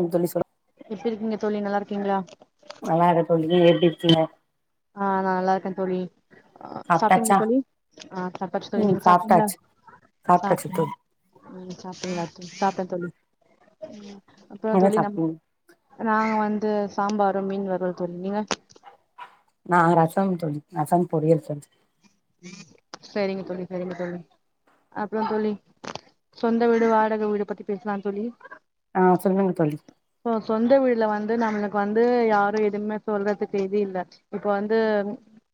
ம் தோழி சொல் எப்டிருக்கீங்க தோழி நல்லாருக்கீங்ளா நல்லாருக்கோ நீங்க எப்டிருக்கீங்க ஆ நா நல்லாருக்கே தோழி ஆ சாப்டிங்க சாப்ட்டாச்சா தோழி ஆ சாப்ட்டாச்சு தோழி ம் நீங்க சாப்டிங்களா சாப்ட்டாச்சு சாப் சாப்ட்டாச்சு தோழி ம் சாப்ப சாப்டன் தோழி ம் அப்புற என்ன தோழி நம்ம சாப்ட்டீங்க நாங்க வந்து சாம்பாரும் மீன் வறுவல் தோழி நீங்க நா ரசம் தோழி ரசம் பொறியல் செஞ்ச செரிங்க தோழி செரிங்க தோழி அப்புற தோழி சொந்த வீடு வாடக வீடு பத்தி பேசலா தோழி ஆ சொல்லுங்க தோழி இப்போ சொந்த வீடுல வந்து நம்மளுக்கு வந்து யாரு எதுமே சொல்றது தெரில இப்ப வந்து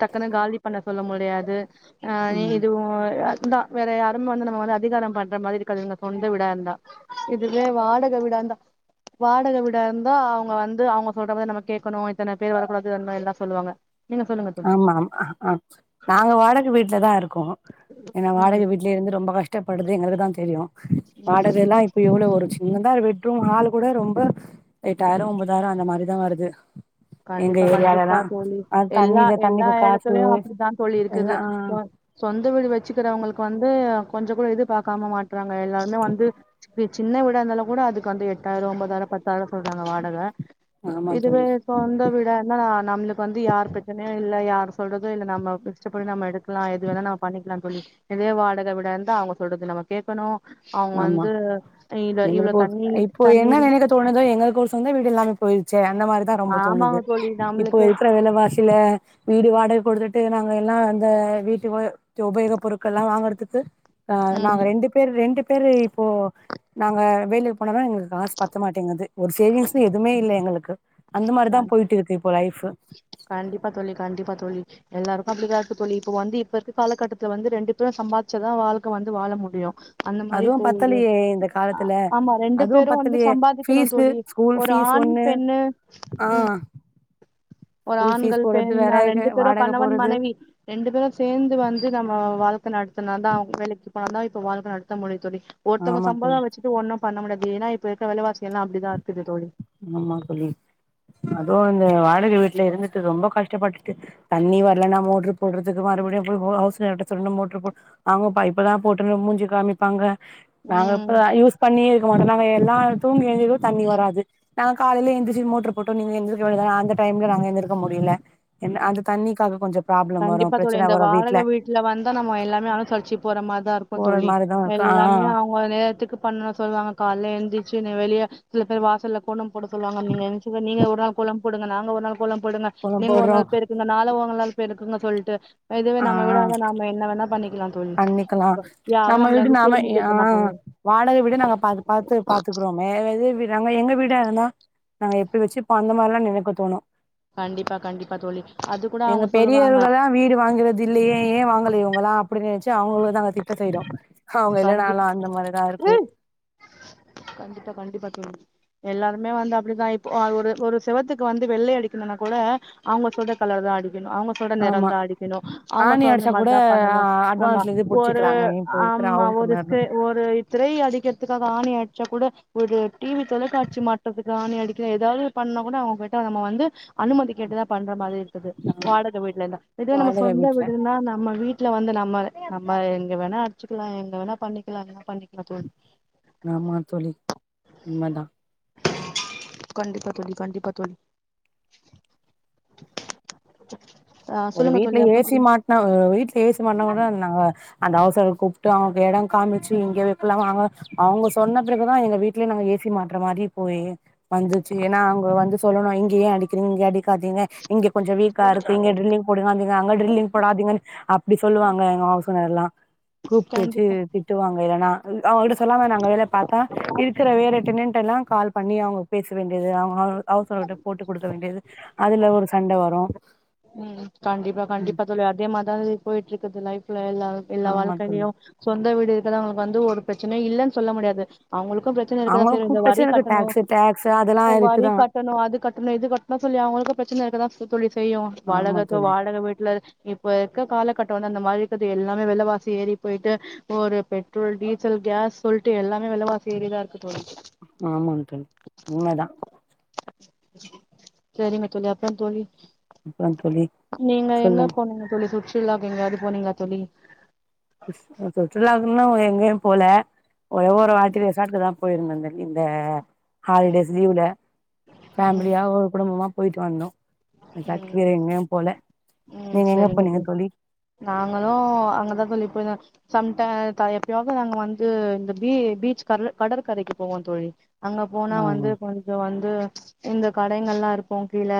டக்குன்னு காலி பண்ண சொல்ல முடியாது ஆ ம் இதுவு அதுதா வேற யாருமே வந்து நம்ம வந்து அதிகாரம் பண்ற மாதிரி இருக்காதுங்க சொந்த வீடாந்தா இதுவே வாடக வீடாந்தா வாடக வீடாருந்தா அவங்க வந்து அவங்க சொல்ற மாரி நம்ம கேட்கணு இத்தன பேர் வரக்கூடாது வரணு எல்லா சொல்லுவாங்க நீங்க சொல்லுங்க தோழி ஆமா ஆமா ஆ நாங்க வாடக வீட்ல தா இரு ருக்கோ ஏனா ம் வாடக வீட்லேருந்து ரொம்ப கஷ் டப்பட்றது எங்களுக்கு தா தெரியும் ம் வாடகெல்லா இப்ப எவ்ளோ ஒரு சின்னதா [unintelligible] ரூம் ஹால் கூட ரொம்ப எட்டாயிர ஒம்பதாயிர அந்த மாரிதா வருது எங்க கண்டிப்பா ஏரியாலலா கண்டிப்பா தோழி அது எல்லா தண்ணில எல்லா தண்ணிக்கு காசு எடத்துலயும் அப்படிதா தோழி இருக்குது எல்லா ஆ சொந்த வீடு வச்சுக்குறவங்களுக்கு வந்து கொஞ்ச கூட இது பாக்காம மாட் றாங்க எல்லாருமே வந்து சின்ன வீடாந்தாலும் கூட அதுக்கு வந்த எ ட்டாயிர ஒம்பதாயிர பத்தாயிர சொல்றாங்க வாடக ஆமா இதுவே தோழி சொந்த வீடாருந்த நம்ளுக்கு வந்து யார் பிரச்சனையு இல்ல யார் சொல்றதோ இல்ல நம்ம இஷ்டப்படி நம்ம எடுக் லா எது வேணா நம்ம பண்ணிக்கலா [unintelligible] இதே வாடக வீடாருந்தா அவங்க சொல்றது நம்ம கேக்கணு ஆமா இவ்ளோ எங்களுக்கு ஓர் தண்ணி சொந் இப்போ தண்ணி என்ன நெனிக்க தோணுது எங்கள்க்கொரு சொந்த வீடு இல்லாமே போய் அந்த மாரி தா ரொம்ப ஆமாங்க தோணுது தோழி இப்போ நம்மளுக்கு இருக்கிற வெல வாசில வீடு வாடக கொடுத்து ட்டு நாங்க எல்லா அந்த வீட்டு வ உபயோக பொருட்கள் லா வாங்கறதுக்கு ஆ நாங்க ரெண்டு பேர் ரெண்டு பேரு இப்போ நாங்க வேலேக் போனா [unintelligible] எங்களுக்கு காசு பத்த மாட்டேங்குது ஒரு சேவிங்ஸ்னு எதுமே இல்ல எங்களுக்கு அந்த மாரி ம் தா போயிட்டு இருக்கு இப்போ லைஃப் கண்டிப்பா தோழி கண்டிப்பா தோழி எல்லாருக்கு அப்டிதா இருக்கு தோழி இப்ப வந்து இப்ப இருக்கு காலகட்டத்துல வந்து ரெண்டு பேரு சம்பாத்ச்சதா வாழ்க்க வந்து வாழ முடியு அந்த மாரி அதுவு போகுது பத்தலையே இந்த அ காலத்துல ஆமா ரெண்டு அதுவு பேரு வந்து பத்தலையே சம்பாதிக்கணு ஃபீஸு தோழி ஸ்கூல் ஒரு ஃபீஸ் ஆண் ஒண்ணு பெண்ணு ஆ ம் ஒரு ஸ்கூல் ஆண்கள் ஃபீஸ் போறது பெண் வேற ரெண்டு பேரு வாடகை கணவன் போறது மனைவி ரெண்டு பேரும சேந்து வந்து நம்ம வாழ்க்க நடத்துனாதா அவுங்க வேலைக் போன தா இப்ப வாழ்க்க நடந்த முடியு தோழி ஒருத்தவ ஆமா தோழி சம்பலோ வச்சுட்டு ஒண்ணும் பண்ண முடியாது ஏனா இப்ப இருக்கற வெலவாசி எல்லா அப்டிதா இருக்குது தோழி ஆமா தோழி அதுவு இந்த வாடக வீட்ல இருந்துட்டு ரொம்ப கஷ்டப்பட்டுட்டு தண்ணி வர்லன்னா மோட்ரு போட்றதுக்கு மறுபடியு போய் ஹவுஸ் ஒனார்ட சொல்லி மோட்ரு போ அவங்க இப்ப தா போட்ட மூஞ்சு காமிப்பாங்க நாங்க இப்ப ம் தா யூஸ் பண்ணி மொத நாங்க எல்லா தூங்கி [unintelligible] தண்ணி வராது நாங்க காலையில எந்திர்ச்சு மோட்ரு போட்டோ நீங்க எந்திரிக் வேண்டிய தானே அந்த டைம்ல நாங்க எந்திரக்க முடியல என்ன அந்த தண்ணிக்காக கொஞ்சோ ப்ராப்ளம் வரு கண்டிப்பா தோழி பிரச்சன இந்த வரு வாடக வீட்ல வந்தா நம்ம எல்லாமே அனுசரிச்சு போற மாத் தா இருக்கு போற தோழி மாரிதா இருக்கு ஆ எல்லாமே அவுங்க நேரத்துக்கு பண்ண சொல்லுவாங்க கால்ல எழுந்திச்சு [unintelligible] வெளிய சில பேர் வாசல்ல கோலம் போட சொல்லுவாங்க [unintelligible] நீங்க ஒரு நாள் கோலம் போடுங்க நாங்க ஒரு நாள் கோலம் போடுங்க போறோ நீங்க ஒரு போடுறோ நாள் பெருக்குங்க நால உங்களால ருக்குங்க சொல்ட்டு ஆ நாம என்ன வேணா பண்ணிக்கலா தோழி பண்ணிக்க லா யாரு நம்ம நம்மள வீடு வந்து நாம கேள்வி ஆ கேட்க மாட்டாங்க வாடக வீடே நாங்க பாத்து பாத்து பாத்துக்குறோமே [unintelligible] எங்க வீடு வீடா இருந்தா நாங்க எப்டி வெச்சிப்போ அந்த மாரி லா நெனைக்க தோணு கண்டிப்பா கண்டிப்பா தோழி அது கூட எங்க அவங்க சொல்லுவாங்க பெரியயோர்களா வீடு வாங்கறது இல்லையே ஏ வாங்கலியோ நம்பளா அப்டி நென்ச்சு அவுங்கள தா நாங்க திட்ட செய்றோ அவங்க இல்லனாலு கண்டிப்பா அந்த மாரிதா இருக்கு கண்டிப்பா கண்டிப்பா தோழி எல்லாருமே வந்து அப்டிதா இப்போ ஒரு ஒரு செவத்துக்கு வந்து வெள்ளை அடிக்கணும்னா கூட அவுங்க சொல்ற கலர் தா அடிக் கனு அவுங்க சொல்ற ஆமா நெறோந்தா அடிக்கணு அவுங்க ஆணி சொல்ற அடிச்சா கூட மாரிதா பண்ணணு ஆமா அட்வான்ஸ்ல இது ஒரு புடிச்சுக்கிறாங்க இப்ப ஆ இருக்கிற ஆமா ஹவுஸ் ஒரு ஓனர்னு ஸ்கி ஒரு திரை அடிக்க துக்காக ஆணி அடிச்சா கூட ஒரு டிவி தொலைக்காட்சி மாற்றத்துக்கு ஆணி அடிக்கல ஏதாவ்த் பண்ண கூட அவுங்கிட்ட நம்ம வந்து அனுமதி கேட்டுதா பண்ற மாரி இரு க்குது வாடக வீட்லெல்லா இதே நம்ம வாடக சொந்த வீட்ல வீடுனா நம்ம வீ வீட்ல வந்து நம்ம நம்ம எங்க வேணா வச்சுக்கலாம் எங்க வேணா பண்ணிக்கலாம்ங்க பண்ணிக்கலாம் தோழி உண்ம தான் கண்டிப்பா தோழி கண்டிப்பா தோழி ஆ ஒரு சொல்லுங்க வீட்டு்ல தோழி அப்ப ஏசி தோழி மாட்டனா வீட்டு்ல ஏசி மாட்டினா கூட நாங்க அந்த அவசரம் கூப்பிட்டு அவங்க இடம் காமிச்சு இங்க வைக்கலாம அவ அவங்க சொன்ன பிறகுதான் எங்கீட்டுலய நா ஏசி மாற்றற மாதிரி போய் வந்துச்சு ஏன்னா அவங்க வந்து சொல்லணும் இங்க ஏன் அடிக்கிறீங்க இங்க அடிக் காதீங்க இங்க கொஞ்சம் வீக்கா இருக்கு இங்க டிரில்லிங் அங்க இங்க அங்க ட்ரில்லிங் போடாதிங்க அப்டி சொல்லுவாங்க எங்க ஹவுஸ் ஓணர்லாம் கூப்டு வச்சி கண்டிப்பா திட்டுவாங்க இல்லன்னா அவுங்கட்ட சொல்லமா நாங்க வேல பாத்தா இருக்குற [unintelligible] ல்லாம் கால் பண்ணி அவங்க பேச வேண்டியது அவங்கசர்கிட்ட போட்டு கொடுக்க வேண்டியது அதுல ஒரு சண்டை வரும் உம் கண்டிப்பா கண்டிப்பா தோழி அதே மாதான் போயிட்டு இருக்குது லைஃப் எல்லா எல்லா ஆமா தோழி வாழ்க்கையையும் சொந்த வீடு அவங்களுக்கு வந்து ஒரு பிரச்சனை இல்லைன்னு சொல்ல முடியாது அவங்களுக்கு பிரச்சனை இருக்கத அவங்கள செய்யும் இந்த கூப்ட்டாச்சு வரி எனக்கு கட்டணும் டாக்ஸு டாக்ஸு அதெல்லா வரி இருக்குதா கட்டணும் அது கட்டணும் இது கட்டணும் சொல்லி அவங்களுக்கும் பிரச்சனை இருக்கதான் தோழி செய்யும் ஆமா வாடகத்து தோழி வாடகை வீட்டுல இப்ப இருக்க கால கட்ட வந்து அந்த மாதிரி இருக்குது எல்லாமே விலவாசி ஏறி போயிட்டு ஒரு பெட்ரோல் டீசல் கேஸ் சொல்லிட்டு எல்லாமே விலைவாசி ஏறிதான் இருக்கு தோழி ஆமாங்க தோழி உண்ம தா சரிங்க தோழி அப்றம் தோழி அப்றோ தோழி நீங்க எங்க சொல்லுங்க போனீங்க தோழி சுற் றுலாக்கு எங்கயாது போனீங்களா தோழி [unintelligible] சுற்றுலா இன்னு எங்கயு போல ஒரே ஒரு வாட்டி ரேசார்ட் தா போயிருந்த [unintelligible] இந்த ஹாலிடேஸ் லீவ்ல ஃபேமிலியா ஒரு குடும்பமா போய்ட்டு வந்தோ ம் ரெசார்ட்க்கு ம் வேற எங்கயு போல ம் நீங்க எங்க சரிங்க போனீங்க தோழி நாங்களு அங்கதா தோழி போய்ருதோ சம்டா தல எப்பயாவது நாங்க வந்து இந்த பீ பீச் கற் கடற்கரைக்கு போவோ தோழி அங்க போனா ஆ வந்து கொஞ்ச வந்து இந்த கடைங்கள்லா இருக்கோ கீழ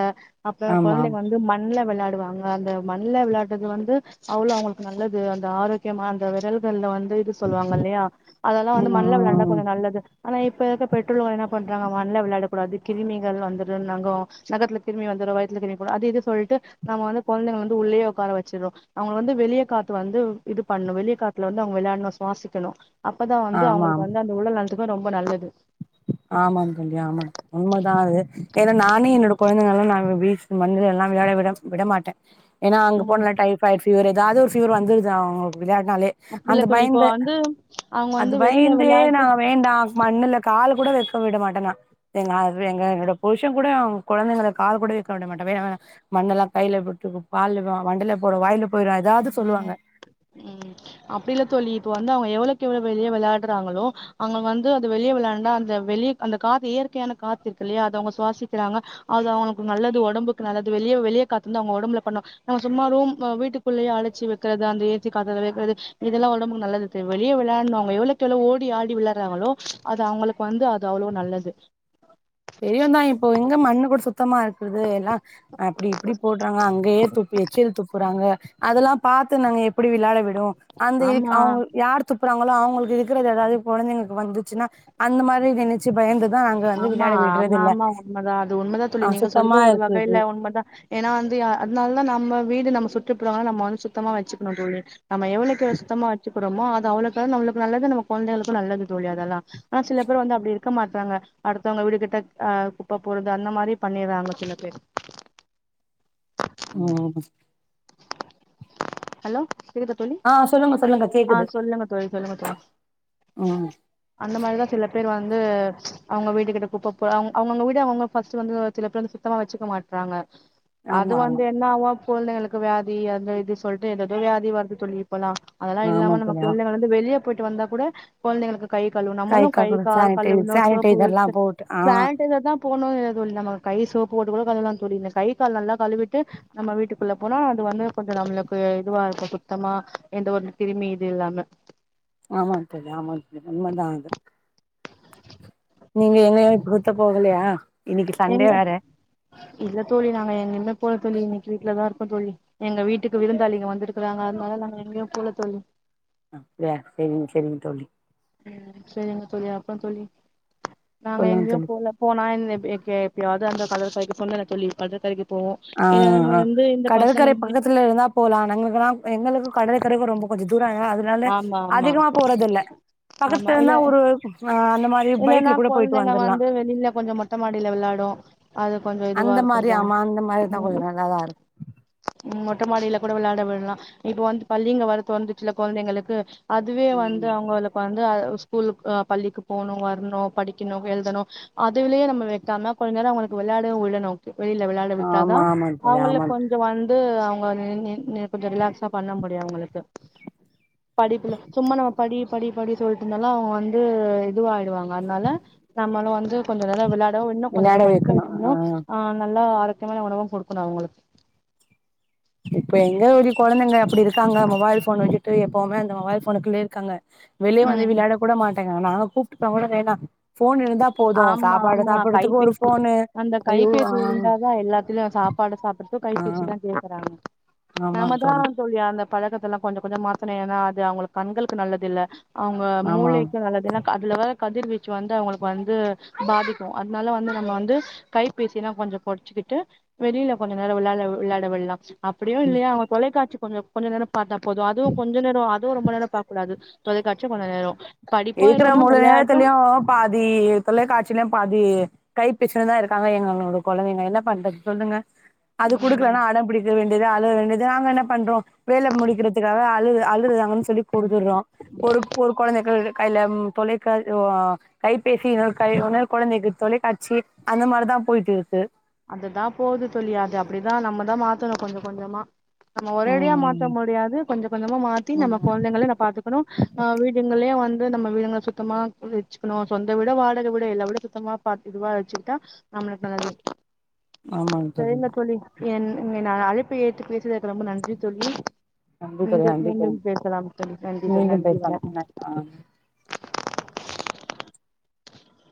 அப்றோ ஆமா குழந்தைங்க வந்து மண்ணுல வெளா டுவாங்க அந்த மண்ல விளாடுறது வந்து அவ்ளோ அவங்களுக்கு நல்லது அந்த ஆரோக்கியமா அந்த விரல்கள்ல வந்து த இது சொல்வாங்க இல்லையா அதெல்லா வந்து மண்ணல விளாண்டா ம் கொஞ்ச நல்லது ஆனா இப் இப்பருக்கற பெற்றோலர்கள் என்ன பண்றாங்க மண்ல வெள்ளாடாக் கூடாது கிருமிகள் வந்துரு நகோ நகத்துல கிருமி வந் [unintelligible] அது இது சொல்ட்டு நம்ம வந்து கொழந்தைங்க வந்து உள்ளே உட்கார வெச்சுர்றோ அவுங்க வந்து வெளியே காத்து வந்து இது பண்ணு வெளிய காத்துல வந்து அவுங்க வெள்ளான்ணு சுவாசிக்கணு அப்பதா வந்து அவுங்களுக்கு வந்து அந்த உடல்நல் துக்கு ரொம்ப நல்லது ஆமா [inaudible] ஆமா உண்மதா அது ஏன்னா நானே என்னோட கொழந்தைங்கெல்லா நா வீ மண்ணலயெல்லா வெளையாட விட-விடமாட்டே ஏன்னா அங்க ம் போன்னா டைப்ட்ஃபீவர் எதாவது ஒரு ஃபீவர் வந்துருது அவுங்க விளையாட்னாலே அப்டி இல்ல அந்த தோழி இப்போ பயந்து வந்து அவங்க அது வந்து வெளியில பயந்து விளையாட்டு நா வேண்டாம் மண்ணுல கால் கூட வைக்க விட மாட்டா நா எங்க எங்க என்னோட புருஷன் கூட கொழந்தைங்களா கால் கூட வைக்க விட மாட்டே வேணா மண்ணெல்லா கையில போட்டு பால் வண்ட போறோ வாயில போயுரு எதாவது சொல்லுவாங்க ம் ம் அப்டி இல்ல தோழி இப்ப வந்து அவுங்க எவ்ளோயிக்கு எவ்ளோவு வெளிய வொள்ளையாடுறாங்களோ அவுங்க வந்து அது வெளிய விளாண்டா அந்த வெளியே அந்த காத்து இயற்கையான காத்துருக்குல்லையா அது அவுங்க சுவாசிக்கிறாங்க அது அவுங்களுக்கு நல்லது ஒடம்புக்கு நல்லது வெளிய வெளியே காத்து வந்து அவுங்க ஒடம்புல பண்ணோ நாங்க சும்மாரு வீட்டுக்குள்ளேயே அடைச்சு வெக்கறது அந்து [inaudible] தோழி இதெல்லா ஒடம்பாக்கு நல்லது தோழி வெளிய வெள்ளான்டா அவுங்க எவ்ளேவுக்கு எவ்ளோ ஓடி ஆடி வெள்ளாடுறாங்களோ அது அவுங்களுக்கு வந்து அது அவ்ளோ நல்லது பெரியவதா இப்போ எங்க மண்ணுக் கூட சுத்தமாருக் இது எல்லா அப்பாடி இப்புடி போட்றாங்க அங்கேயே துப்பிவெச்சி எச்சல் துப்புறா ங்க அதெல்லா பாத்து நாங்க எப் எப்புடி விள்ளாட விடுவோ அந்த க் ஆமா அவுங்க யார் துப் துப்புறாங்களோ அவாங்களுக்கு இருக்கறது ஏதாவது கொழந்தைங்களுக்கு வந்துச்சுன்னா அந்த மாரி நெனைச்சு பயந்து ந்துதா அங்க வந்து ஆமா விள்ளாட் ஆமா உண்மதா அது உண்மதா தோளி நீங்க சொல்றது ஒரு இருக்குது வகைல உண்மதா ஏனா வந்து அதனால தா நாம ஆ வீடு நம்ம சுற்றுப்புறொ நம்ம வந்து சுத்தமா வெச்சுணும் தோழி நம்ம எவ்ளக்எவ் சுத்தமா வெச்சு றோமோ அது அவ்ளக்குவ்ளவு நம்மளுக்கு நல்லது நம்ம கொழந்தகளுக்கு நல்லது தோழி அதெல்லா ஆ சில பேர் வந்து அப்டி க்க மாட்டாங்க அடுத்தவங்க வீடு கிட்ட அஹ் குப்ப போடுது அந்த மாரி பண்ணிர்றாங்க சில பேர் ம் ஹலோ கேக்குதா தோழி ஆஹ் சொல்லுங்க சொல்லுங்க கேக்குது ஆஹ் சொல்லுங்க தோழி சொல்லுங்க தோழி உம் அந்த மாரிதா சில பேர் வந்து ப்ச் அவுங்க வீட்டு கிட்ட குப்ப போ அவ அவுங்கவுங்க வீட அவங்க ஃபர்ஸ்ட் வந்து சில பேர் வந்து சுத்தமா வெச்சுக்க மாட்றாங்க அது ஆமா ஆமா வந்து என்னாவு கொழந்தங்களுக்கு வியாதி அந்த இது சொல்ட்டு எதெதோ வியாதி வருது சொல்லி ப்பெல்லா அதெல்லா ஆமா இல்லாம நம்ம தோழி ஆ கொழந்தங்கள வந்து வெளிய போயிட்டு வந்தா கூட கொழந்தங்களுக்கு கை கழுவனு நம்மளு கை காக்கூட கால் சானிடை கழுவணு சோப்பு சானிடைசர்லா வச்சு போட்டு ஆ சானிடைசர் தா போட்ணுனு எதுவு இல்ல மா கை சோப்பு போட்டு கூட கழுவலா [unintelligible] கை கால் நல்லா கழுவிட்டு நம்ம வீட்டுக்குள்ள போனா அது வந்து கொஞ்ச நம்ள ப் இதுவா இருக்கு சுத்தமா எந்த ஒரு கிருமி இது இல்லாம ஆமா தோழி ஆமா தோழி உண்மதா அது நீங்க எங்கயு [unintelligible] போகலயா இன்னிக்கு சண்டே எங்க வேற இல்ல தோழி நாங்க எங்கய்மே போல தோழி இன்னக்கி வீட்ல தா இருக்கோ தோழி எங்க வீட்டுக்கு விருந்தாளிங்க வந்திருக்குறாங்க அதுனால நாங்க எங்கயு போல தோழி அப்டியா சேரிங் சேரிங் தோழி உம் சேரிங்க தோழி அப்றம் தோழி நாங்க சொல்லுங்க எங்கயு தோழி போல போனா இன் எங் எப்பயாவ அந்த கடற்கரை சொன்னேல தோழி கடற்கரைக் ஆஹ்ஹ் கடற்கரை இங்க பக்கத்துல இருந்தா போலா நங்களுக்கெல்லா எங்க எங்களுக்கு கடற்கரைக்கு ரொம்ப கொஞ்ச தூர அதா அதுனால ஆமா ஆமா அதிகமா போறதில்ல பக்கத்து ஆமா இல்ல தெருனா ஒரு ஆ அந்த மாரி இல்லன்னா பைக்ல கூட போயிட்டு கொழந்தங்க வந்துர்லா வந்து வெளில கொஞ்சோ மொட்ட மாடில வேளாடு அது கொஞ்ச இதுவா அந்த மாரி இருக்குல ஆமா அந்த மாரி இருந்தா கொஞ்ச நல்லாதா இருக்கு ம் மொட்ட மாடில கூட வெளாட லா இப்ப வந்து பள்ளிங்க வேற துறந்துச்சில கொழந்தைங்களுக்கு அதுவே வந்து ம் அவ்ங்களுக்கு வந்து அவ் ஸ்கூலு அ பள்ளிக்கு போணு வரணு படிக்கணு எழுதணு அதுலேயே நம்ம வெக்காம கொஞ்ச நேரோ அவங்களுக்கு வெளயாடவு விடனு வெய்யில்ல வெள்ளாட விட்டாதா ஆமா ஆமா தோழி அவுங்கல்ல ஆமா கொஞ்சோ வந்து அ [inaudible] ன்னு கொஞ்சோ ரிலாக்ஸாடா பண்ண முடியு அவுங்களுக்கு படிப்புல சும்மானா படி படி படி சொல்லிட்ருந்தலா அவுங்க வந்து இதுவாய்டுவாங்க அத்னால நம்மளு வந்து கொஞ்சோ கொஞ்சோ விள்ளா [unintelligible] இன்னு கொஞ்சோ விளையாட படிக்க வைக்கணு வைக்கன்ணா ஆ அ நல்லா சத்தான உணவு கொடுக்கணு அவுங்களுக்கு இப்ப எங்க ஒரு கொழந்தைங்க அப்புடி இருக்காங்க மொபைல் போபோன் வச்சு ட்டு எப்பவுமே அந்த மொபைல் போனுக்குள்ளயே இருக்காங்க வெளிய ம் வந்து விளையாட கூட மாட்டாங் எங்கனாலு கூப்ட்டு போனாக் கூட வேணா ஃபோன் இருந்தா போது ஆமா சாப்பாடு ஆமா சாப்புட்றதுக்கு ஒரு கைபேசி ஃபோனு அந்த ஐயோ ஆ கைபேசி இருந்தாதா எல்லாத்லியு சாப்பாடு சாப்புட்றத்துக்கு ஆ கைப்பேசிதா கேக்கறாங்க நாம ஆமாங் தா தோழி சொல்லி அந்த பழக்கத்தல்லா கொஞ்சோ கொஞ்சோ மாத்தாணு ஏன்னா அது அவுங்களுக் கண்களுக்கு நல்லது இல்ல அவுங்க ஆமா மூளைக்கு நல்லதுல்ல அதுல வ கதிர் வீச்சு வந்து அவுங்கள வந்து பாதிக்கு அதனால வந்து நம்ப வந்து கைப்பேசினா கொஞ்சோ கொரச்சிக்கிட்டு வெளியில கொஞ்சோ நேரோ வெள்ளால் வெள்ளாட விடலா அப்டியு இல்லையா அவ்ங்க தொலைக்காட்சி கொஞ்ச கொஞ்ச நேரோ பாத்தா போது அதுவு கொஞ்ச நேரோ அதுவும் ரொம்ப நேரோ பாக்க கூடாது தொலைக்காட்சி கொஞ்ச நேரம் இருக்குற முழு நேரத்துலியும் பாதி தொலைக்காட்சிலையு பாதி கை பிரிச்சனுதா இருக்காங்க எங்களோட கொழந்தைங்க என்ன பண்றது சொல்லுங்க அது ம் குடுக்கலனா அடம் பிடிக்க வேண் டியாது அழுக வேண்டிது நாங்க என்ன பண்றோ வேல முடிக்கிறதுக்காக அழு அழுறாங்கனு சொல்லி குடுத்துடுறோ ஒரு ஒரு கொழந்தைக் இருக் கையில ம் தொலைக்க ஒ கைபேசி இன்னொன்னு கை இன்னொரு கொழந்தைக்கு தொலைக்காச்சி அந்த மாரிதா போய்ட்டு இருக்கு அதுதா போவுது தோழி அது அப்டிதா நம்மதா மாத் த்தணு கொஞ்ச கொஞ்சமா நம்ம ஒரேடியா மாத்த ம் முடியாது கொஞ்ச கொஞ்சமா மாத்தி நம்ம ம் கொழந்தைங்கள ந பாத்துக்கணு ஆஹ் வீடுங்களே வந் து நம்ம வீடுங்கள சுத்தமா வெச்சிக்கணு சொந்த வீட்டோ வாடக வீடோ எல்லா வீடும் சுத்தமா பத் இதுவா வச்சிகிட்ட நம்ளுக்கு நல்லது ஆமாங் தோழி என் என்னோனா அழைப்பு ஏத்து பேசுயதற்கு ரொம்ப நன்றி தோழி நன்றி தோழி மீண்டும் நன்றி மீண்டும் தோழி பேசலாம் தோழி நன்றிகள் மீண்டும் நன்றி பேசலாம் ஆ வணக்கம்